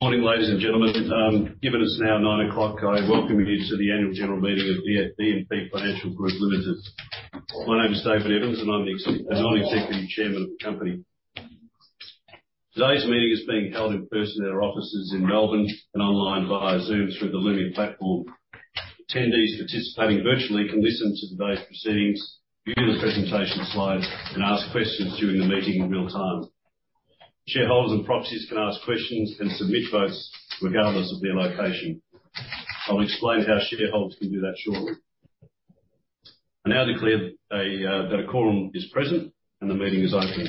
Morning, ladies and gentlemen. Given it's now 9:00AM., I welcome you to the Annual General Meeting of E&P Financial Group Limited. My name is David Evans, and I'm the Non-Executive Chairman of the company. Today's meeting is being held in person at our offices in Melbourne and online via Zoom through the Lumi platform. Attendees participating virtually can listen to today's proceedings, view the presentation slides, and ask questions during the meeting in real time. Shareholders and proxies can ask questions and submit votes regardless of their location. I'll explain how shareholders can do that shortly. I now declare that a quorum is present, and the meeting is open.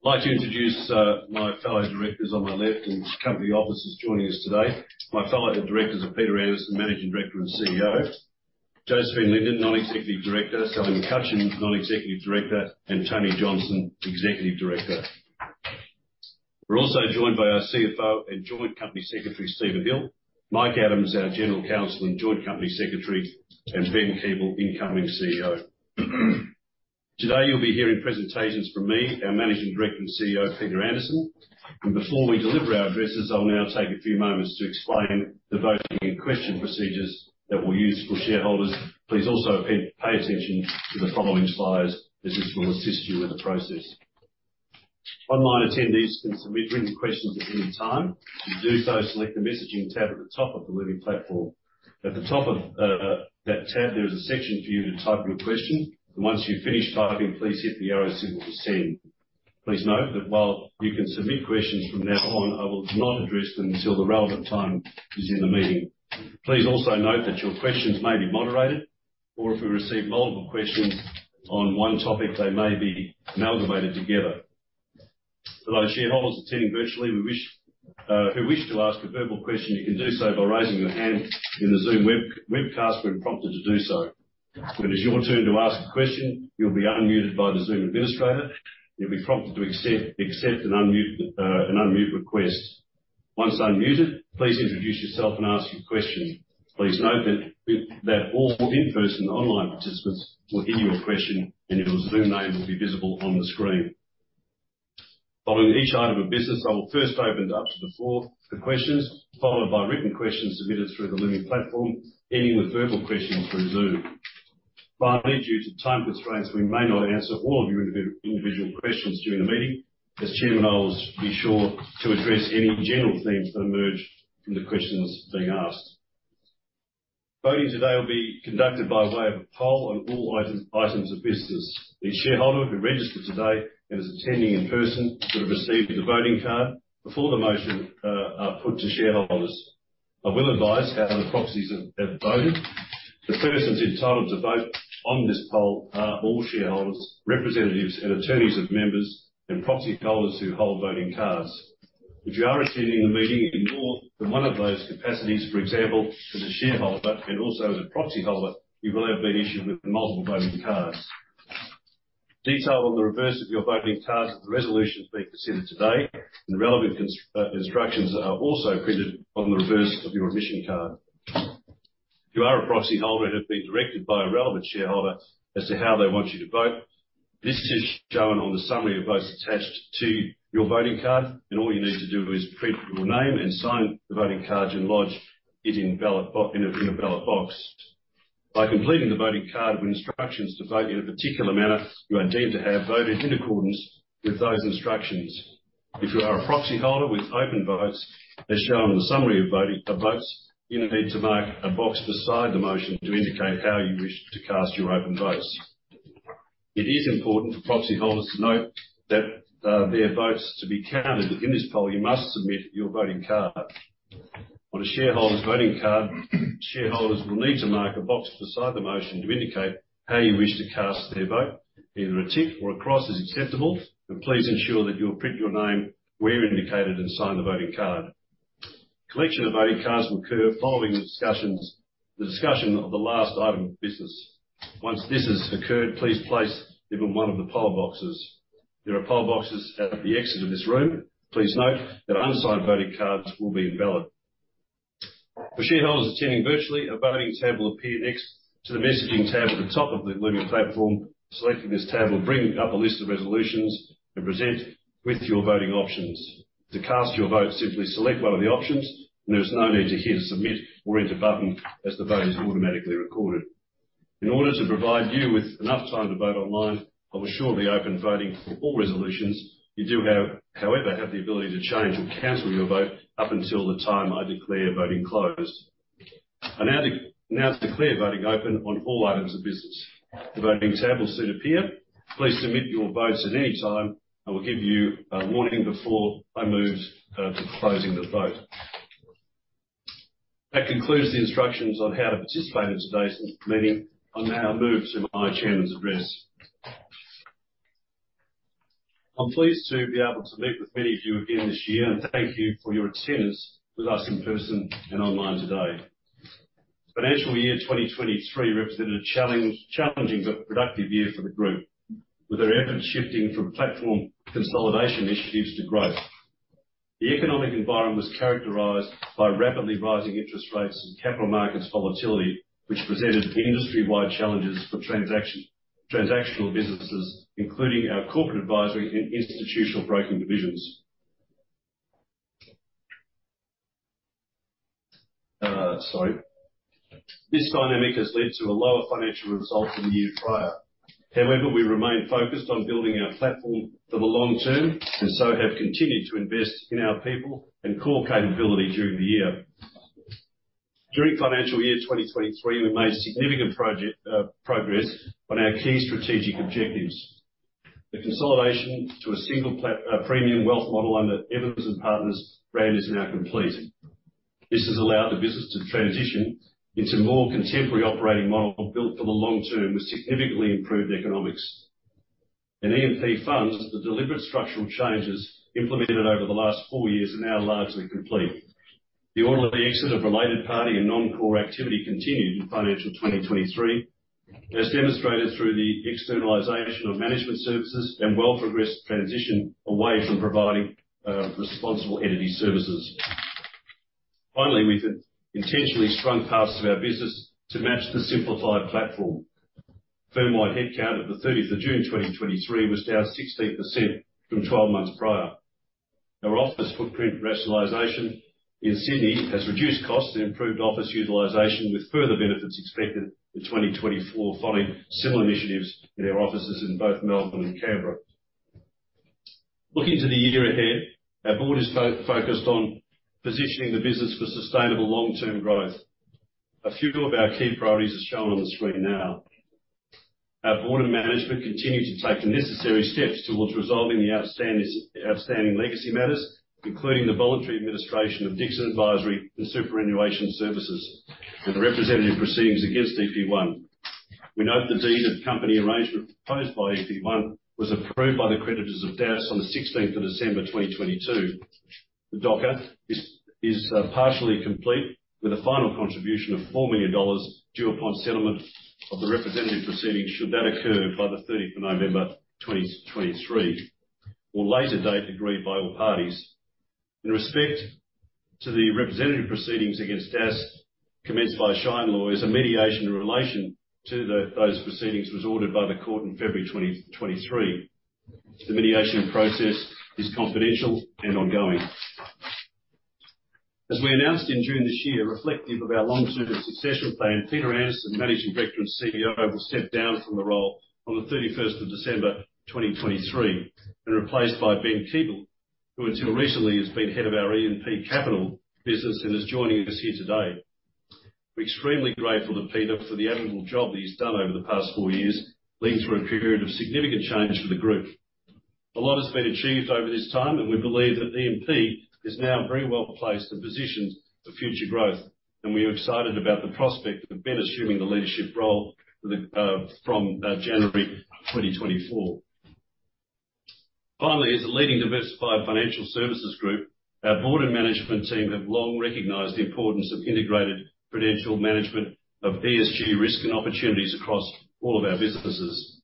I'd like to introduce my fellow directors on my left and company officers joining us today. My fellow directors are Peter Anderson, Managing Director and CEO, Josephine Linden, Non-Executive Director, Simon McCaughan, Non-Executive Director, and Tony Johnson, Executive Director. We're also joined by our CFO and Joint Company Secretary, Stephen Hill; Mike Adams, our General Counsel and Joint Company Secretary; and Ben Keeble, incoming CEO. Today, you'll be hearing presentations from me, our Managing Director and CEO, Peter Anderson, and before we deliver our addresses, I'll now take a few moments to explain the voting and question procedures that we'll use for shareholders. Please also pay attention to the following slides, as this will assist you with the process. Online attendees can submit written questions at any time. To do so, select the Messaging tab at the top of the Lumi platform. At the top of that tab, there is a section for you to type your question. Once you've finished typing, please hit the arrow symbol to send. Please note that while you can submit questions from now on, I will not address them until the relevant time is in the meeting. Please also note that your questions may be moderated, or if we receive multiple questions on one topic, they may be amalgamated together. For those shareholders attending virtually, if you wish to ask a verbal question, you can do so by raising your hand in the Zoom webcast when prompted to do so. When it is your turn to ask a question, you'll be unmuted by the Zoom administrator. You'll be prompted to accept and unmute an unmute request. Once unmuted, please introduce yourself and ask your question. Please note that all in-person and online participants will hear your question, and your Zoom name will be visible on the screen. Following each item of business, I will first open it up to the floor for questions, followed by written questions submitted through the Lumi platform, ending with verbal questions through Zoom. Finally, due to time constraints, we may not answer all of your individual questions during the meeting. As Chairman, I will be sure to address any general themes that emerge from the questions being asked. Voting today will be conducted by way of a poll on all items, items of business. Each shareholder who registered today and is attending in person would have received a voting card before the motion are put to shareholders. I will advise how the proxies have, have voted. The persons entitled to vote on this poll are all shareholders, representatives, and attorneys of members and proxyholders who hold voting cards. If you are attending the meeting in more than one of those capacities, for example, as a shareholder and also as a proxyholder, you will have been issued with multiple voting cards. Detail on the reverse of your voting cards are the resolutions being considered today, and relevant instructions are also printed on the reverse of your admission card. If you are a proxyholder and have been directed by a relevant shareholder as to how they want you to vote, this is shown on the summary of votes attached to your voting card, and all you need to do is print your name and sign the voting card and lodge it in a ballot box. By completing the voting card with instructions to vote in a particular manner, you are deemed to have voted in accordance with those instructions. If you are a proxyholder with open votes, as shown in the summary of voting, votes, you need to mark a box beside the motion to indicate how you wish to cast your open votes. It is important for proxyholders to note that, their votes to be counted in this poll, you must submit your voting card. On a shareholder's voting card, shareholders will need to mark a box beside the motion to indicate how you wish to cast their vote. Either a tick or a cross is acceptable, but please ensure that you'll print your name where indicated and sign the voting card. Collection of voting cards will occur following the discussions... the discussion of the last item of business. Once this has occurred, please place it in one of the poll boxes. There are poll boxes at the exit of this room. Please note that unsigned voting cards will be invalid. For shareholders attending virtually, a voting tab will appear next to the Messaging tab at the top of the Lumi platform. Selecting this tab will bring up a list of resolutions and present with your voting options. To cast your vote, simply select one of the options, and there is no need to hit a Submit or Enter button, as the vote is automatically recorded. In order to provide you with enough time to vote online, I will shortly open voting for all resolutions. You do have, however, have the ability to change or cancel your vote up until the time I declare voting closed. I now declare voting open on all items of business. The voting tab will soon appear. Please submit your votes at any time. I will give you a warning before I move to closing the vote. That concludes the instructions on how to participate in today's meeting. I'll now move to my chairman's address. I'm pleased to be able to meet with many of you again this year, and thank you for your attendance with us in person and online today. Financial year 2023 represented a challenging but productive year for the group, with our efforts shifting from platform consolidation initiatives to growth. The economic environment was characterized by rapidly rising interest rates and capital markets volatility, which presented industry-wide challenges for transactional businesses, including our corporate advisory and institutional broking divisions. This dynamic has led to a lower financial result than the year prior. However, we remain focused on building our platform for the long term, and so have continued to invest in our people and core capability during the year. During financial year 2023, we made significant project progress on our key strategic objectives. The consolidation to a single platform premium wealth model under Evans and Partners brand is now complete. This has allowed the business to transition into more contemporary operating model built for the long term, with significantly improved economics. In E&P Funds, the deliberate structural changes implemented over the last four years are now largely complete. The orderly exit of related party and non-core activity continued in financial 2023, as demonstrated through the externalization of management services and well progressed transition away from providing responsible entity services. Finally, we've intentionally shrunk parts of our business to match the simplified platform. Firmwide headcount at the 30th of June 2023 was down 16% from 12 months prior. Our office footprint rationalization in Sydney has reduced costs and improved office utilization, with further benefits expected in 2024, following similar initiatives in our offices in both Melbourne and Canberra. Looking to the year ahead, our board is focused on positioning the business for sustainable long-term growth. A few of our key priorities are shown on the screen now. Our board and management continue to take the necessary steps towards resolving the outstanding legacy matters, including the voluntary administration of Dixon Advisory and Superannuation Services, and the representative proceedings against E&P One. We note the Deed of Company Arrangement proposed by E&P One was approved by the creditors of DASS on the 16th of December 2022. The DOCA is partially complete, with a final contribution of 4 million dollars due upon settlement of the representative proceedings, should that occur by the 13th of November 2023, or later date agreed by all parties. In respect to the representative proceedings against DASS, commenced by Shine Lawyers, a mediation in relation to those proceedings was ordered by the court in February 2023. The mediation process is confidential and ongoing. As we announced in June this year, reflective of our long-term succession plan, Peter Anderson, Managing Director and CEO, will step down from the role on the 31st of December 2023, and replaced by Ben Keeble, who until recently has been head of our E&P Capital business and is joining us here today. We're extremely grateful to Peter for the admirable job that he's done over the past four years, leading through a period of significant change for the group. A lot has been achieved over this time, and we believe that E&P is now very well placed and positioned for future growth, and we are excited about the prospect of Ben assuming the leadership role from January 2024. Finally, as a leading diversified financial services group, our board and management team have long recognized the importance of integrated prudential management of ESG risk and opportunities across all of our businesses.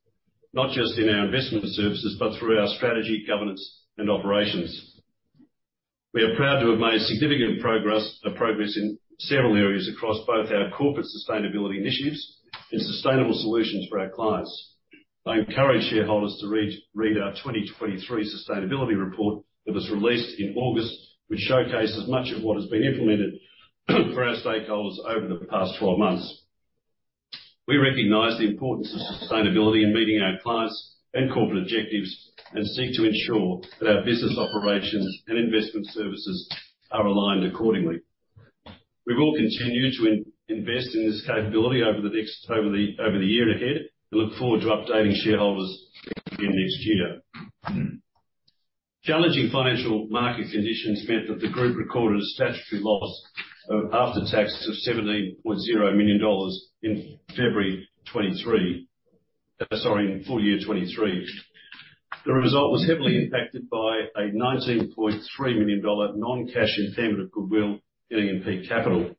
Not just in our investment services, but through our strategy, governance, and operations. We are proud to have made significant progress in several areas across both our corporate sustainability initiatives and sustainable solutions for our clients. I encourage shareholders to read our 2023 sustainability report that was released in August, which showcases much of what has been implemented for our stakeholders over the past 12 months. We recognize the importance of sustainability in meeting our clients' and corporate objectives, and seek to ensure that our business operations and investment services are aligned accordingly. We will continue to invest in this capability over the next year ahead, and look forward to updating shareholders in next year. Challenging financial market conditions meant that the group recorded a statutory loss after tax of AUD 17.0 million in full year 2023. The result was heavily impacted by a AUD 19.3 million non-cash impairment of goodwill in E&P Capital.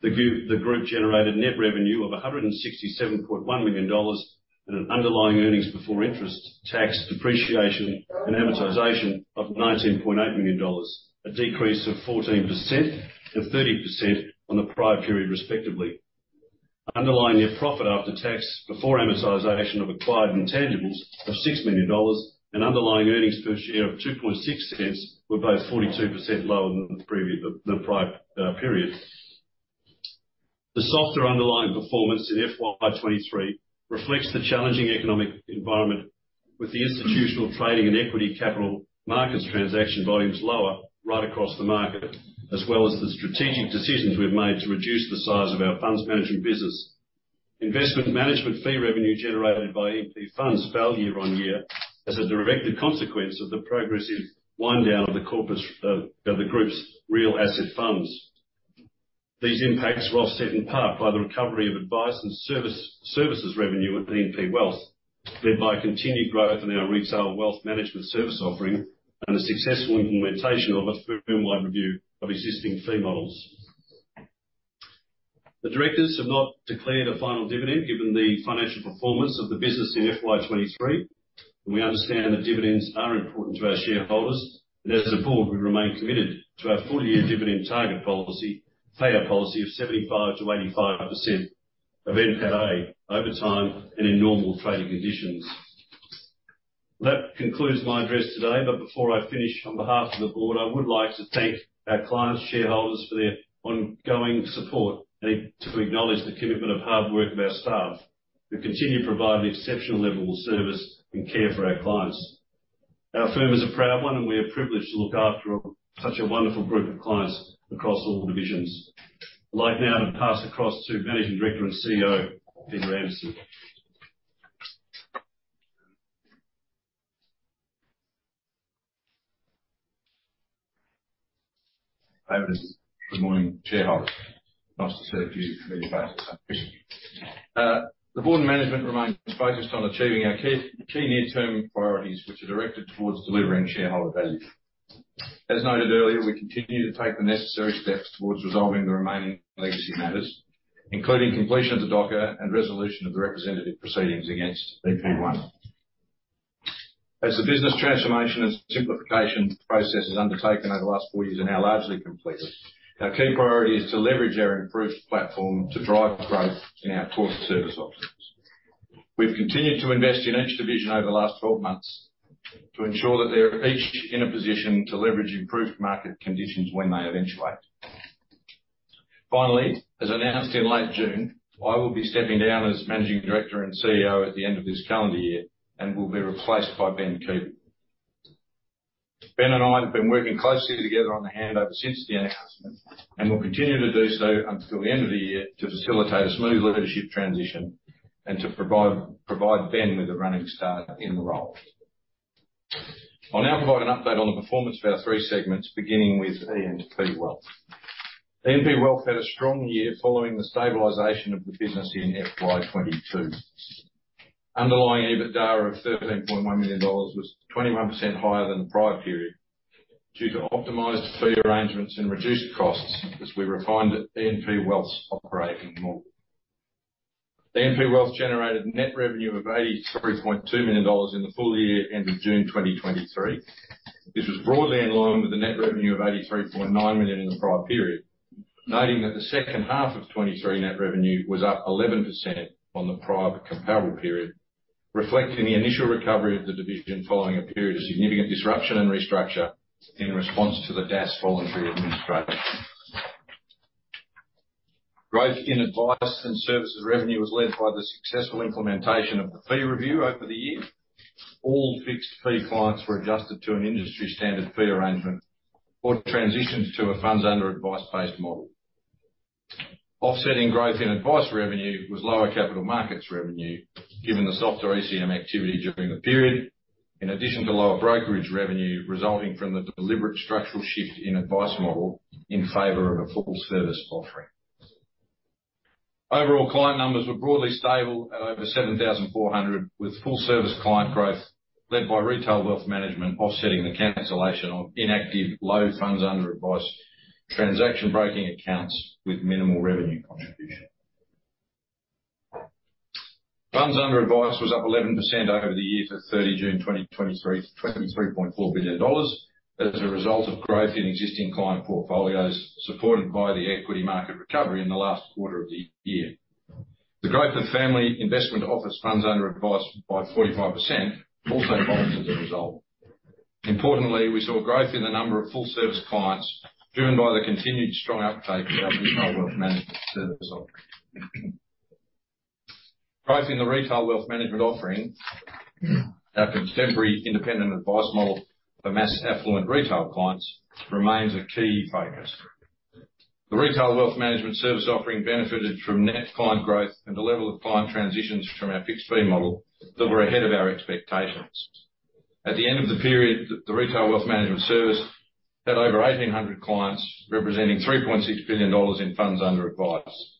The group, the group generated net revenue of 167.1 million dollars, and an underlying earnings before interest, tax, depreciation, and amortization of AUD 19.8 million, a decrease of 14% and 30% on the prior period, respectively. Underlying their profit after tax, before amortization of acquired intangibles of 6 million dollars and underlying earnings per share of 0.026, were both 42% lower than the previous, the prior, period. The softer underlying performance in FY 2023 reflects the challenging economic environment, with the institutional trading and equity capital markets transaction volumes lower right across the market, as well as the strategic decisions we've made to reduce the size of our funds management business. Investment management fee revenue generated by E&P Funds fell year on year, as a direct consequence of the progressive wind down of the corpus of the group's real asset funds. These impacts were offset in part by the recovery of advice and services revenue at E&P Wealth, led by continued growth in our retail wealth management service offering, and the successful implementation of a firm-wide review of existing fee models. The directors have not declared a final dividend, given the financial performance of the business in FY 2023. We understand that dividends are important to our shareholders, and as a board, we remain committed to our full year dividend target payout policy of 75%-85% of NPAT over time and in normal trading conditions. That concludes my address today, but before I finish, on behalf of the board, I would like to thank our clients, shareholders for their ongoing support, and to acknowledge the commitment of hard work of our staff, who continue to provide an exceptional level of service and care for our clients. Our firm is a proud one, and we are privileged to look after such a wonderful group of clients across all divisions. I'd like now to pass across to Managing Director and CEO, Peter Anderson. Good morning, shareholders. Nice to see a few familiar faces. The board and management remain focused on achieving our key, key near-term priorities, which are directed towards delivering shareholder value. As noted earlier, we continue to take the necessary steps towards resolving the remaining legacy matters, including completion of the DOCA and resolution of the representative proceedings against E&P One. As the business transformation and simplification process is undertaken over the last four years are now largely complete, our key priority is to leverage our improved platform to drive growth in our core service offerings. We've continued to invest in each division over the last 12 months to ensure that they're each in a position to leverage improved market conditions when they eventuate. Finally, as announced in late June, I will be stepping down as Managing Director and CEO at the end of this calendar year and will be replaced by Ben Keeble. Ben and I have been working closely together on the handover since the announcement, and will continue to do so until the end of the year to facilitate a smooth leadership transition and to provide Ben with a running start in the role. I'll now provide an update on the performance of our three segments, beginning with E&P Wealth. E&P Wealth had a strong year following the stabilization of the business in FY 2022. Underlying EBITDA of AUD 13.1 million was 21% higher than the prior period, due to optimized fee arrangements and reduced costs as we refined E&P Wealth's operating model. E&P Wealth generated net revenue of 83.2 million dollars in the full year, end of June 2023. This was broadly in line with the net revenue of 83.9 million in the prior period. Noting that the second half of 2023 net revenue was up 11% on the prior comparable period, reflecting the initial recovery of the division following a period of significant disruption and restructure in response to the DASS voluntary administration. Growth in advice and services revenue was led by the successful implementation of the fee review over the year. All fixed fee clients were adjusted to an industry standard fee arrangement or transitioned to a funds under advice-based model. Offsetting growth in advice revenue was lower capital markets revenue, given the softer ECM activity during the period, in addition to lower brokerage revenue resulting from the deliberate structural shift in advice model in favor of a full service offering. Overall, client numbers were broadly stable at over 7,400, with full service client growth led by Retail Wealth Management, offsetting the cancellation of inactive low funds under advice, transaction broking accounts with minimal revenue contribution. Funds under advice was up 11% over the year to 30 June 2023, to AUD 23.4 billion, as a result of growth in existing client portfolios, supported by the equity market recovery in the last quarter of the year. The growth of family investment office funds under advice by 45% also falls as a result. Importantly, we saw growth in the number of full service clients, driven by the continued strong uptake of our Retail Wealth Management service offering. Growth in the Retail Wealth Management offering, our contemporary independent advice model for mass affluent retail clients, remains a key focus. The Retail Wealth Management service offering benefited from net client growth and the level of client transitions from our fixed fee model that were ahead of our expectations. At the end of the period, the Retail Wealth Management service had over 1,800 clients, representing 3.6 billion dollars in funds under advice,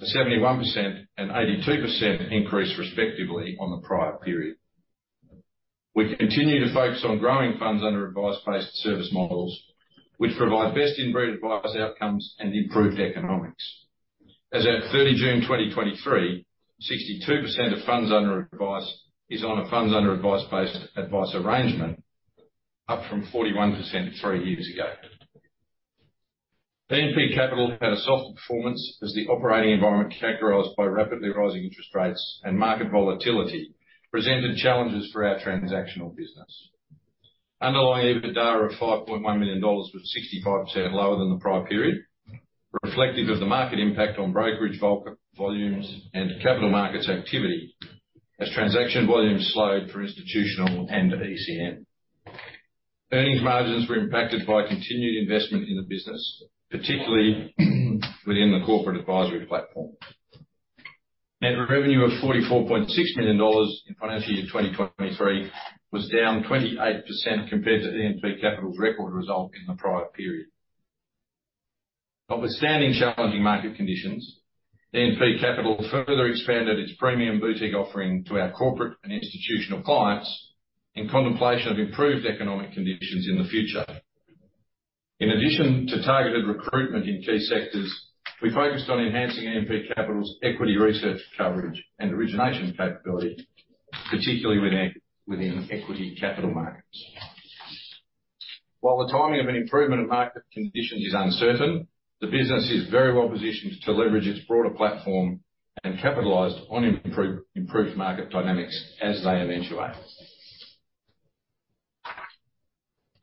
a 71% and 82% increase, respectively, on the prior period. We continue to focus on growing funds under advice-based service models, which provide best-in-breed advice, outcomes, and improved economics. As at 30 June 2023, 62% of funds under advice is on a funds under advice-based advice arrangement, up from 41% three years ago. E&P Capital had a softer performance as the operating environment, characterized by rapidly rising interest rates and market volatility, presented challenges for our transactional business. Underlying EBITDA of 5.1 million dollars was 65% lower than the prior period, reflective of the market impact on brokerage volume and capital markets activity as transaction volumes slowed for institutional and ECM. Earnings margins were impacted by continued investment in the business, particularly within the corporate advisory platform. Net revenue of 44.6 million dollars in financial year 2023 was down 28% compared to E&P Capital's record result in the prior period. Notwithstanding challenging market conditions, E&P Capital further expanded its premium boutique offering to our corporate and institutional clients in contemplation of improved economic conditions in the future. In addition to targeted recruitment in key sectors, we focused on enhancing E&P Capital's equity research coverage and origination capability, particularly within equity capital markets. While the timing of an improvement in market conditions is uncertain, the business is very well positioned to leverage its broader platform and capitalized on improved market dynamics as they eventuate.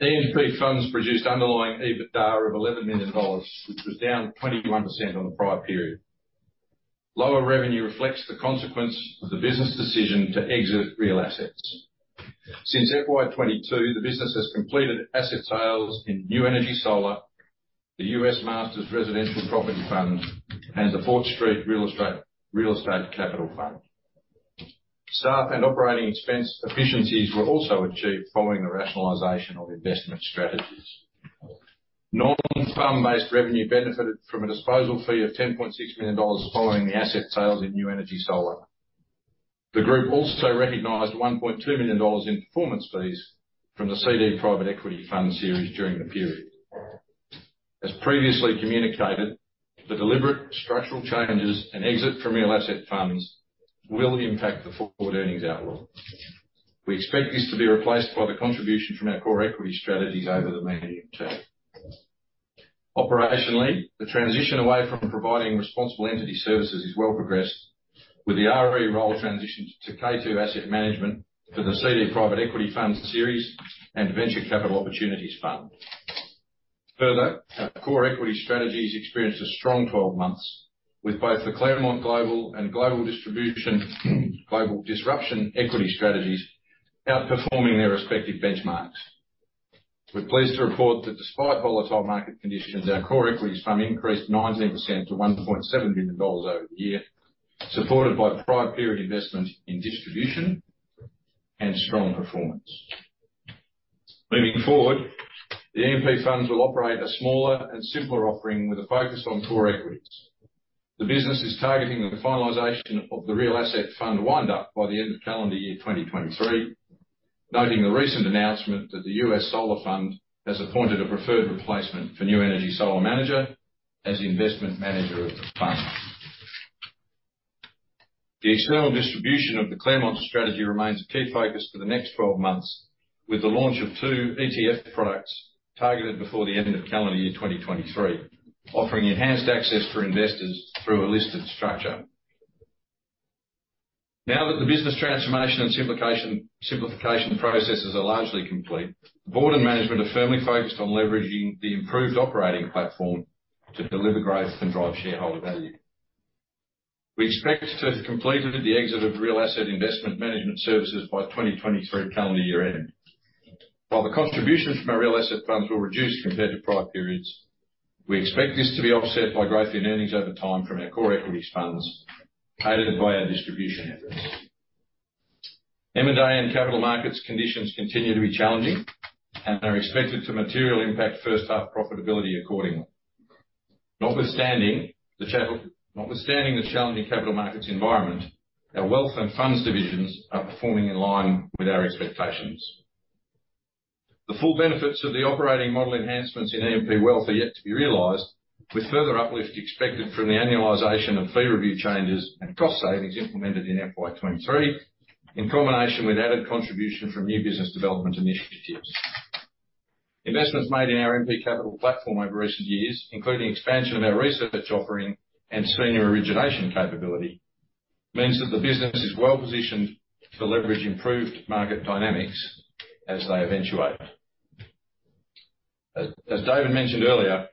E&P Funds produced underlying EBITDA of AUD 11 million, which was down 21% on the prior period. Lower revenue reflects the consequence of the business decision to exit real assets. Since FY 2022, the business has completed asset sales in New Energy Solar, the US Masters Residential Property Fund, and the Fort Street Real Estate Capital Fund. Staff and operating expense efficiencies were also achieved following the rationalization of investment strategies. Non-fund-based revenue benefited from a disposal fee of 10.6 million dollars following the asset sales in New Energy Solar. The group also recognized 1.2 million dollars in performance fees from the CD Private Equity Fund series during the period. As previously communicated, the deliberate structural changes and exit from real asset funds will impact the forward earnings outlook. We expect this to be replaced by the contribution from our core equity strategies over the medium term. Operationally, the transition away from providing responsible entity services is well progressed, with the RE role transitioned to K2 Asset Management for the CD Private Equity Fund series and Venture Capital Opportunities Fund. Further, our core equity strategies experienced a strong 12 months, with both the Claremont Global and Global Distribution, Global Disruption Equity strategies outperforming their respective benchmarks. We're pleased to report that despite volatile market conditions, our core equities fund increased 19% to 1.7 billion dollars over the year, supported by the prior period investment in distribution and strong performance. Moving forward, the E&P Funds will operate a smaller and simpler offering with a focus on core equities. The business is targeting the finalization of the Real Asset Fund wind up by the end of calendar year 2023, noting the recent announcement that the US Solar Fund has appointed a preferred replacement for New Energy Solar Manager as the investment manager of the fund. The external distribution of the Claremont strategy remains a key focus for the next 12 months, with the launch of 2 ETF products targeted before the end of calendar year 2023, offering enhanced access for investors through a listed structure. Now that the business transformation and simplification processes are largely complete, the board and management are firmly focused on leveraging the improved operating platform to deliver growth and drive shareholder value. We expect to have completed the exit of Real Asset Investment Management Services by 2023 calendar year ending. While the contributions from our real asset funds will reduce compared to prior periods, we expect this to be offset by growth in earnings over time from our core equities funds, aided by our distribution efforts. M&A and capital markets conditions continue to be challenging and are expected to materially impact first half profitability accordingly. Notwithstanding the challenging capital markets environment, our wealth and funds divisions are performing in line with our expectations. The full benefits of the operating model enhancements in E&P Wealth are yet to be realized, with further uplift expected from the annualization of fee review changes and cost savings implemented in FY 2023, in combination with added contribution from new business development initiatives. Investments made in our E&P Capital platform over recent years, including expansion of our research offering and senior origination capability, means that the business is well positioned to leverage improved market dynamics as they eventuate. As David mentioned earlier,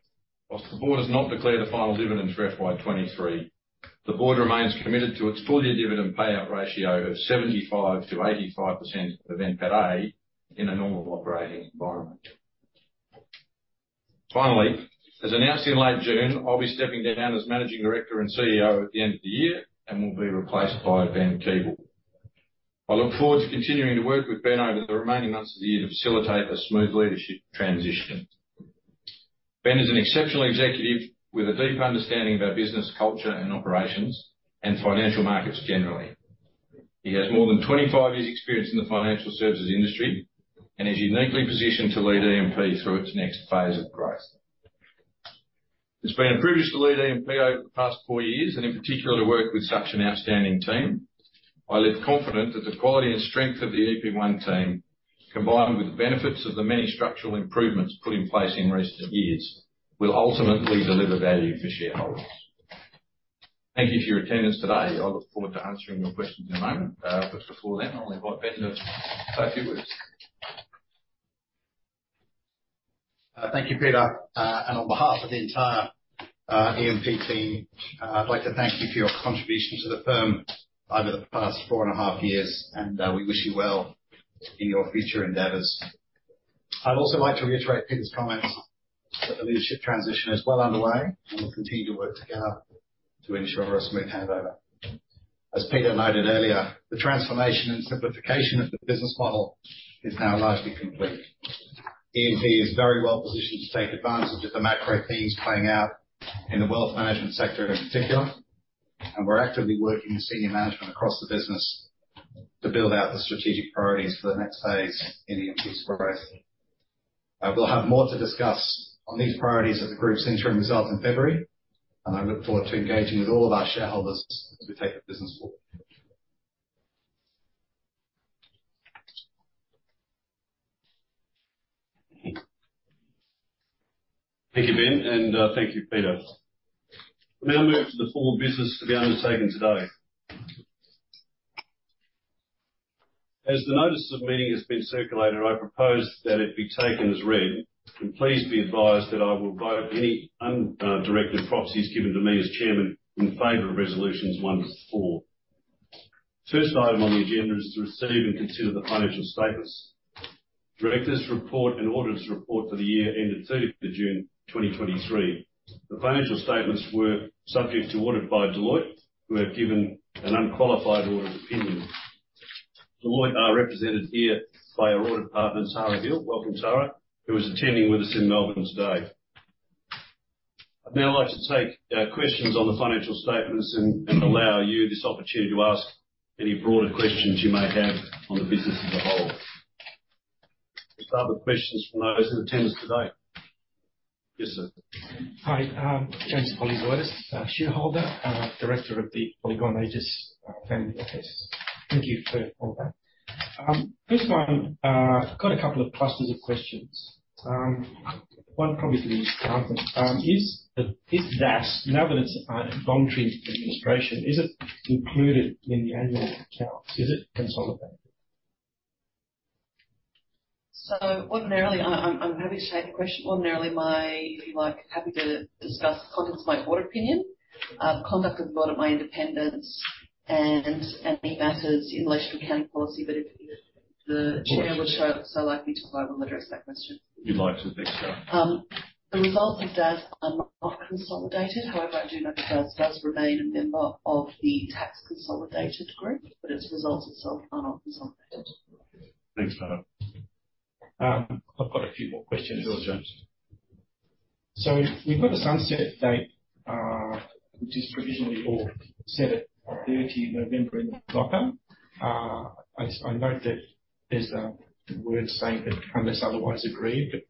while the board has not declared a final dividend for FY 2023, the board remains committed to its full-year dividend payout ratio of 75%-85% of NPATA in a normal operating environment. Finally, as announced in late June, I'll be stepping down as Managing Director and CEO at the end of the year and will be replaced by Ben Keeble. I look forward to continuing to work with Ben over the remaining months of the year to facilitate a smooth leadership transition. Ben is an exceptional executive with a deep understanding of our business, culture, and operations, and financial markets generally. He has more than 25 years' experience in the financial services industry and is uniquely positioned to lead E&P Financial Group through its next phase of growth. It's been a privilege to lead E&P Financial Group over the past four years, and in particular, to work with such an outstanding team. I leave confident that the quality and strength of the E&P one team, combined with the benefits of the many structural improvements put in place in recent years, will ultimately deliver value for shareholders. Thank you for your attendance today. I look forward to answering your questions in a moment. But before then, I'll invite Ben to say a few words. Thank you, Peter. And on behalf of the entire E&P team, I'd like to thank you for your contribution to the firm over the past four and a half years, and we wish you well in your future endeavors. I'd also like to reiterate Peter's comments, that the leadership transition is well underway, and we'll continue to work together to ensure a smooth handover. As Peter noted earlier, the transformation and simplification of the business model is now largely complete. E&P is very well positioned to take advantage of the macro themes playing out in the wealth management sector in particular, and we're actively working with senior management across the business- ... to build out the strategic priorities for the next phase in E&P's progress. I will have more to discuss on these priorities at the group's interim results in February, and I look forward to engaging with all of our shareholders as we take the business forward. Thank you, Ben, and thank you, Peter. We now move to the formal business to be undertaken today. As the notice of meeting has been circulated, I propose that it be taken as read, and please be advised that I will vote any undirected proxies given to me as chairman in favor of resolutions 1 to 4. First item on the agenda is to receive and consider the financial statements. Directors' report and auditors' report for the year ended 3rd of June, 2023. The financial statements were subject to audit by Deloitte, who have given an unqualified audit opinion. Deloitte are represented here by our audit partner, Sarah Hill. Welcome, Sarah, who is attending with us in Melbourne today. I'd now like to take questions on the financial statements and allow you this opportunity to ask any broader questions you may have on the business as a whole. Are there questions from those in attendance today? Yes, sir. Hi, James Poligonis, shareholder, director of the Polygon Aegis family office. Thank you for all that. First one, got a couple of clusters of questions. One probably for you, Johnson. Is DASS, now that it's under voluntary administration, is it included in the annual accounts? Is it consolidated? So ordinarily, I'm happy to take the question. Ordinarily, if you like, happy to discuss comments, my board opinion, conduct of the board, my independence and any matters in relation to accounting policy. But if the chair would so like me to globally address that question. You'd like to. Thanks, Sarah. The results of DASS are not consolidated. However, I do know that DASS does remain a member of the tax consolidated group, but its results itself are not consolidated. Thanks, Madam. I've got a few more questions. Sure, James. So we've got a sunset date, which is provisionally all set at thirty November in the DOCA. I note that there's a word saying that unless otherwise agreed. But,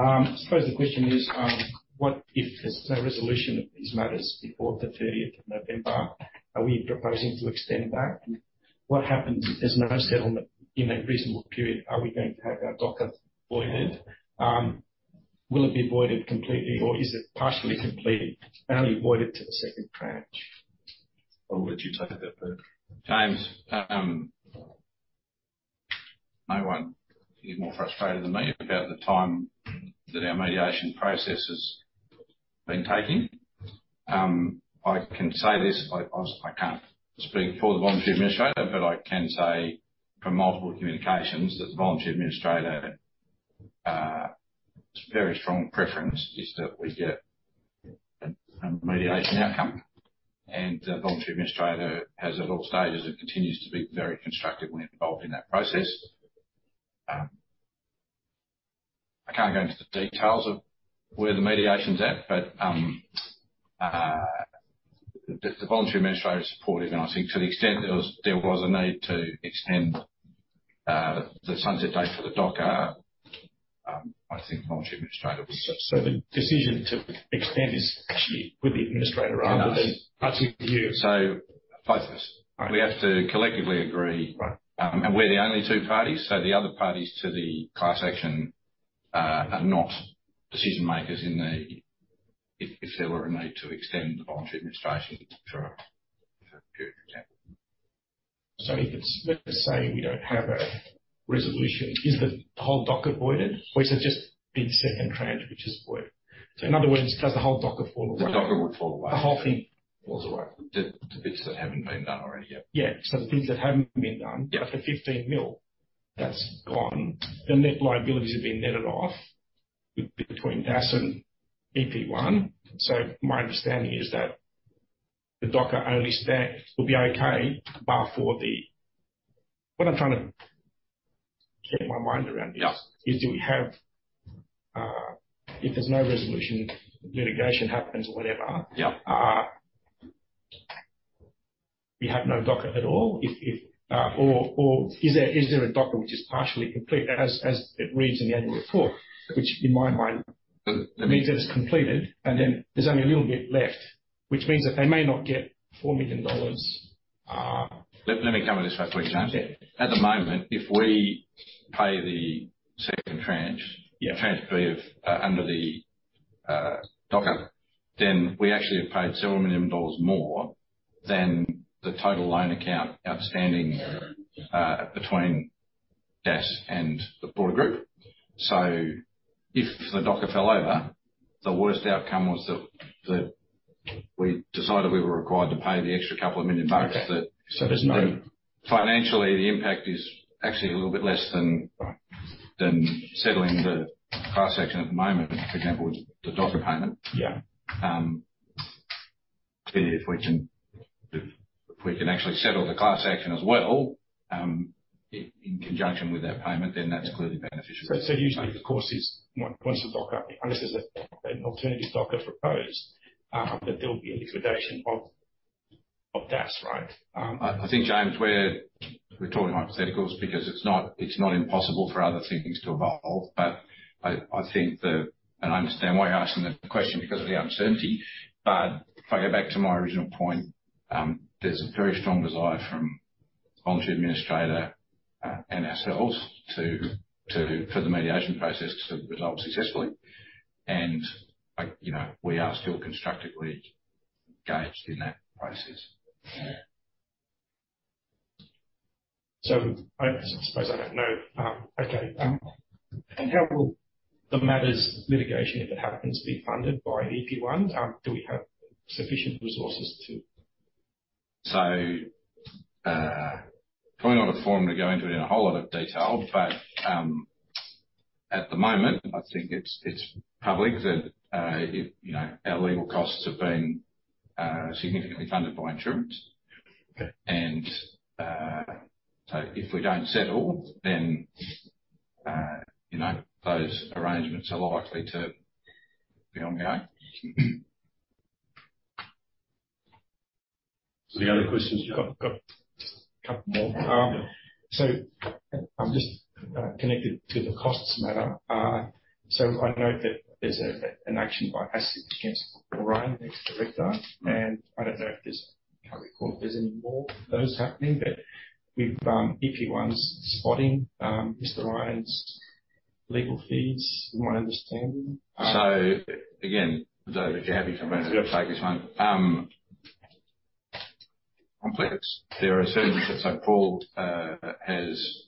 I suppose the question is, what if there's no resolution of these matters before the thirtieth of November? Are we proposing to extend that? What happens if there's no settlement in that reasonable period? Are we going to have our DOCA voided? Will it be voided completely, or is it partially complete? Only voided to the second tranche. Where would you take that, Peter? James, no one is more frustrated than me about the time that our mediation process has been taking. I can say this, I can't speak for the voluntary administrator, but I can say from multiple communications that the voluntary administrator, his very strong preference is that we get a mediation outcome. And the voluntary administrator has at all stages, and continues to be very constructively involved in that process. I can't go into the details of where the mediation's at, but the voluntary administrator is supportive, and I think to the extent there was a need to extend the sunset date for the DOCA, I think the voluntary administrator would- The decision to extend is actually with the administrator rather than- Yes. Up to you. So both of us. Right. We have to collectively agree. Right. And we're the only two parties, so the other parties to the class action are not decision makers in the... If there were a need to extend the voluntary administration for a period of time. So if it's, let's just say we don't have a resolution, is the whole DOCA voided or is it just the second tranche which is voided? So in other words, does the whole DOCA fall away? The DOCA would fall away. The whole thing. Falls away. The bits that haven't been done already, yeah. Yeah. So the things that haven't been done- Yeah. The 15 million, that's gone. The net liabilities have been netted off between DAS and E&P One. So my understanding is that the DOCA only stand... Will be okay, bar for the... What I'm trying to get my mind around this- Yeah... is do we have, if there's no resolution, litigation happens or whatever- Yeah... we have no DOCA at all. If or is there a DOCA which is partially complete as it reads in the annual report? Which in my mind means that it's completed, and then there's only a little bit left, which means that they may not get 4 million dollars. Let me come at this way, for example. Yeah. At the moment, if we pay the second tranche- Yeah... Tranche B of under the DOCA, then we actually have paid 7 million dollars more than the total loan account outstanding between DAS and the broader group. So if the DOCA fell over, the worst outcome was that, that we decided we were required to pay the extra couple of 2 million bucks. Okay. That- So there's no- Financially, the impact is actually a little bit less than- Right... than settling the class action at the moment, for example, with the DOCA payment. Yeah. Clearly, if we can actually settle the class action as well, in conjunction with that payment, then that's clearly beneficial. So usually the course is, once the DOCA, unless there's an alternative DOCA proposed, that there'll be a liquidation of DASS, right? I think, James, we're talking hypotheticals because it's not impossible for other things to evolve. But I think the... And I understand why you're asking the question because of the uncertainty. But if I go back to my original point, there's a very strong desire from voluntary administrator and ourselves to for the mediation process to result successfully. And, like, you know, we are still constructively engaged in that process. I suppose I don't know. Okay. How will the matters litigation, if it happens, be funded by E&P? Do we have sufficient resources to? So, probably not a forum to go into it in a whole lot of detail, but at the moment, I think it's public that, you know, our legal costs have been significantly funded by insurance. Okay. So if we don't settle, then, you know, those arrangements are likely to be ongoing. So any other questions? Got a couple more. So I'm just connected to the costs matter. So I note that there's an action by ASIC against Paul Ryan, ex-director, and I don't know if there's, how we call it, if there's any more of those happening, but with E&P funding Mr. Ryan's legal fees, from my understanding. So again, Dave, if you're happy for me to take this one. Complex. There are certain, so Paul, as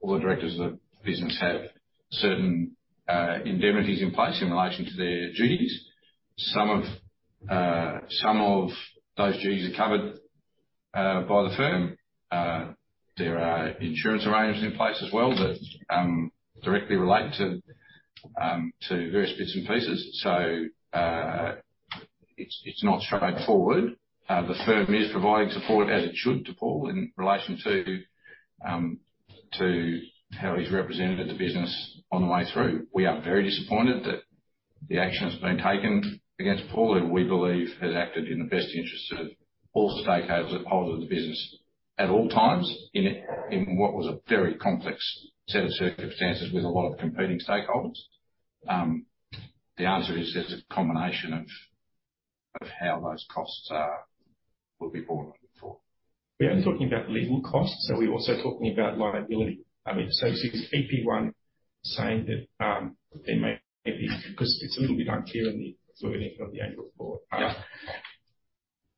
all the directors of the business, have certain indemnities in place in relation to their duties. Some of those duties are covered by the firm. There are insurance arrangements in place as well that directly relate to various bits and pieces. So, it's not straightforward. The firm is providing support, as it should, to Paul in relation to how he's represented the business on the way through. We are very disappointed that the action has been taken against Paul, who we believe has acted in the best interests of all stakeholders that are part of the business at all times, in what was a very complex set of circumstances with a lot of competing stakeholders. The answer is, there's a combination of how those costs are, will be borne for. We are talking about legal costs. Are we also talking about liability? I mean, so is EP One saying that, there may be... Because it's a little bit unclear in the wording of the annual report. Yeah.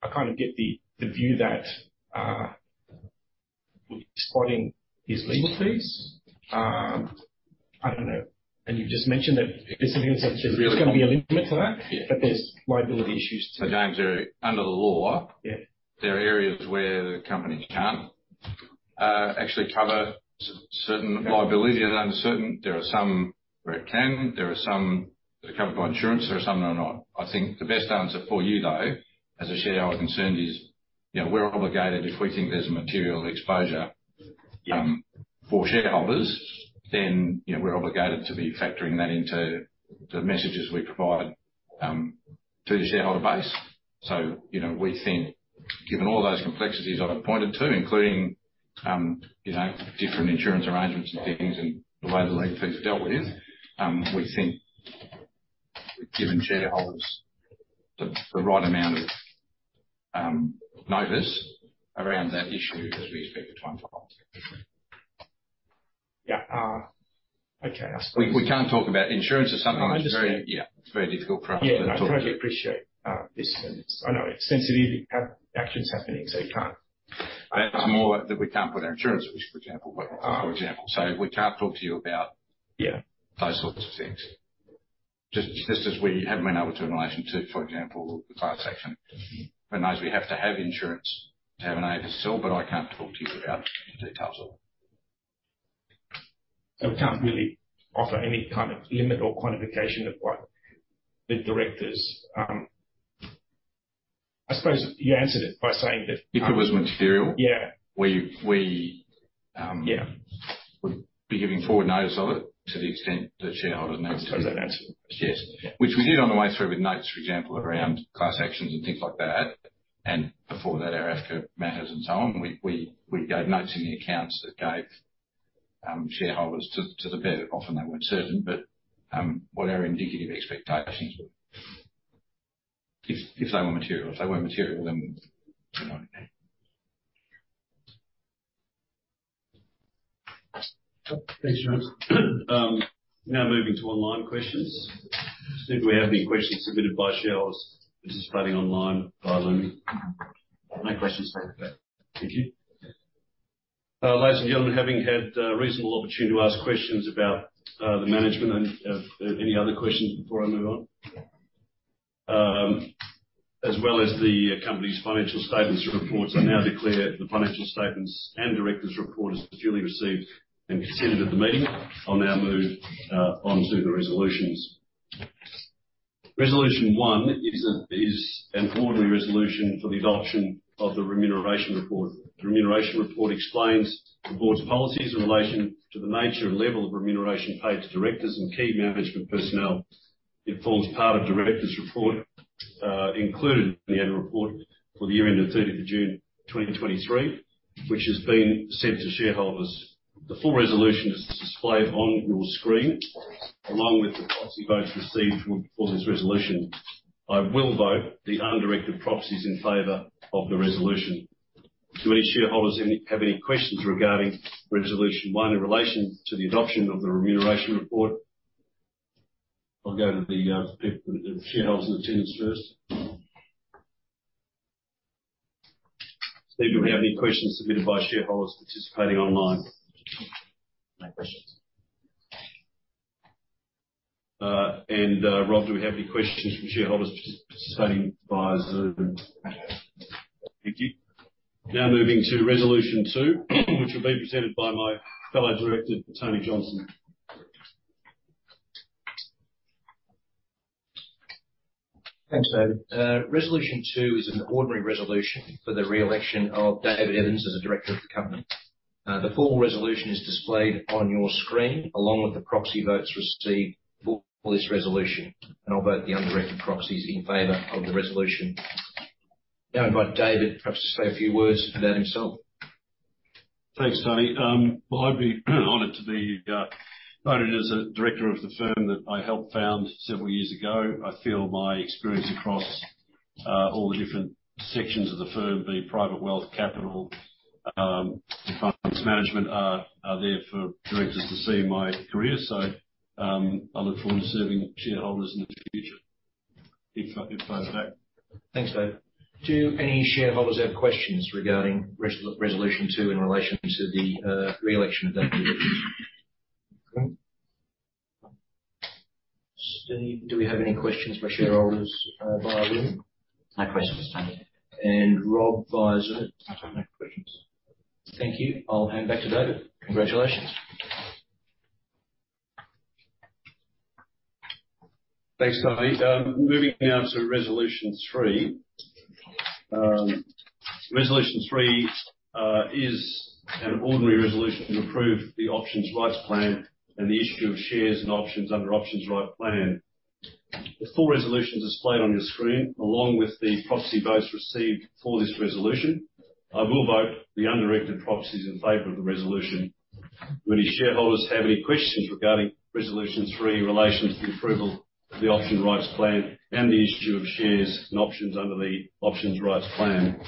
I kind of get the view that we're spotting his legal fees. I don't know. You've just mentioned that there's going to be a limit to that. Yeah. But there's liability issues, too. So, James, under the law- Yeah. there are areas where the company can actually cover certain liability, and under certain, there are some where it can, there are some that are covered by insurance, there are some that are not. I think the best answer for you, though, as a shareholder concerned, is, you know, we're obligated if we think there's a material exposure- Yeah... for shareholders, then, you know, we're obligated to be factoring that into the messages we provide to the shareholder base. So, you know, we think given all those complexities I've pointed to, including, you know, different insurance arrangements and things, and the way the legal fee is dealt with, we think we've given shareholders the right amount of notice around that issue as we expect the time to come. Yeah. Okay, I suppose- We can't talk about insurance of something that's very- I understand. Yeah. It's very difficult for us to talk to you. Yeah, I totally appreciate this, and it's... I know it's sensitive. You have actions happening, so you can't. It's more that we can't put our insurance, for example, but for example. So we can't talk to you about- Yeah... those sorts of things. Just, just as we haven't been able to in relation to, for example, the class action. And as we have to have insurance to have an AFSL, but I can't talk to you about the details of it. So we can't really offer any kind of limit or quantification of what the directors, I suppose you answered it by saying that- If it was material- Yeah. -we, we, um, Yeah. Would be giving forward notice of it to the extent that shareholders need to. I suppose that answers the question. Yes. Yeah. Which we did on the way through with notes, for example, around class actions and things like that, and before that, our AFCA matters and so on. We gave notes in the accounts that gave shareholders to the best, often they weren't certain, but what our indicative expectations were. If they were material. If they weren't material, then, you know. Thanks, James. Now moving to online questions. Do we have any questions submitted by shareholders participating online via Zoom? No questions for that. Thank you. Ladies and gentlemen, having had a reasonable opportunity to ask questions about the management and any other questions before I move on? As well as the company's financial statements and reports, I now declare the financial statements and directors' report as duly received and considered at the meeting. I'll now move on to the resolutions.... Resolution one is an ordinary resolution for the adoption of the remuneration report. The remuneration report explains the board's policies in relation to the nature and level of remuneration paid to directors and key management personnel. It forms part of Directors' Report included in the annual report for the year end of 30 June 2023, which has been sent to shareholders. The full resolution is displayed on your screen, along with the proxy votes received for this resolution. I will vote the undirected proxies in favor of the resolution. Do any shareholders have any questions regarding resolution one in relation to the adoption of the remuneration report? I'll go to the shareholders in attendance first. Steve, do we have any questions submitted by shareholders participating online? No questions. Rob, do we have any questions from shareholders participating via Zoom? Thank you. Now moving to resolution two, which will be presented by my fellow director, Tony Johnson. Thanks, David. Resolution two is an ordinary resolution for the re-election of David Evans as a director of the company. The full resolution is displayed on your screen, along with the proxy votes received for this resolution. And I'll vote the undirected proxies in favor of the resolution. Now, invite David perhaps to say a few words about himself. Thanks, Tony. Well, I'd be honored to be voted as a director of the firm that I helped found several years ago. I feel my experience across all the different sections of the firm, be it private wealth, capital, and funds management, are there for directors to see my career. So, I look forward to serving shareholders in the future. Thanks, David. Thanks, David. Do any shareholders have questions regarding resolution two in relation to the re-election of David Evans? Steve, do we have any questions by shareholders via Lumi? No questions, Tony. Rob, via Zoom? I don't have questions. Thank you. I'll hand back to David. Congratulations. Thanks, Tony. Moving now to resolution 3. Resolution 3 is an ordinary resolution to approve the options rights plan and the issue of shares and options under options right plan. The full resolution is displayed on your screen, along with the proxy votes received for this resolution. I will vote the undirected proxies in favor of the resolution. Do any shareholders have any questions regarding resolution 3 in relation to the approval of the option rights plan and the issue of shares and options under the options rights plan?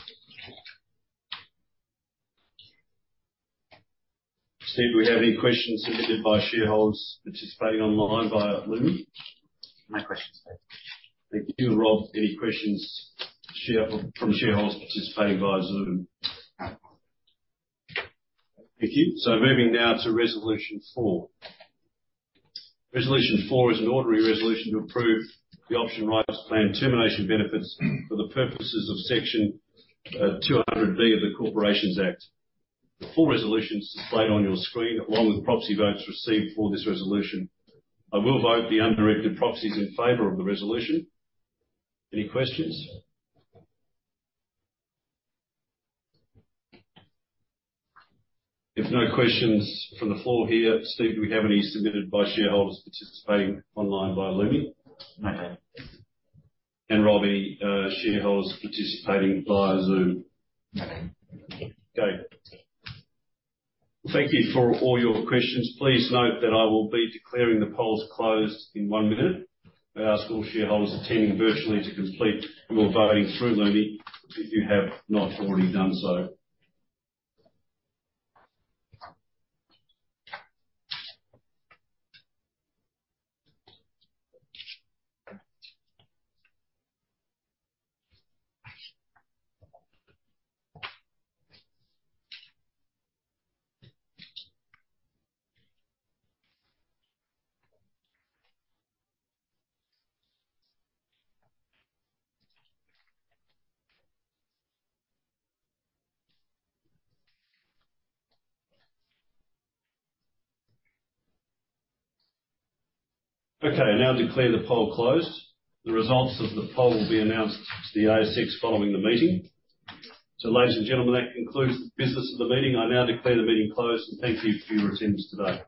Steve, do we have any questions submitted by shareholders participating online via Lumi? No questions. Thank you. Rob, any questions from shareholders participating via Zoom? No. Thank you. So moving now to Resolution 4. Resolution 4 is an ordinary resolution to approve the option rights plan termination benefits for the purposes of Section 200B of the Corporations Act. The full resolution is displayed on your screen, along with proxy votes received for this resolution. I will vote the undirected proxies in favor of the resolution. Any questions? If no questions from the floor here, Steve, do we have any submitted by shareholders participating online by Lumi? No. Rob, any shareholders participating via Zoom? No. Okay. Thank you for all your questions. Please note that I will be declaring the polls closed in one minute. I ask all shareholders attending virtually to complete your voting through Lumi, if you have not already done so. Okay, I now declare the poll closed. The results of the poll will be announced to the ASX following the meeting. So ladies and gentlemen, that concludes the business of the meeting. I now declare the meeting closed, and thank you for your attendance today.